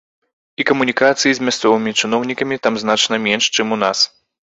І камунікацыі з мясцовымі чыноўнікамі там значна менш, чым у нас.